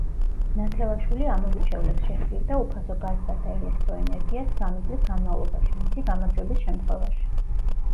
ნათელაშვილი ამომრჩევლებს შეჰპირდა უფასო გაზსა და ელექტროენერგიას სამი წლის განმავლობაში, მისი გამარჯვების შემთხვევაში.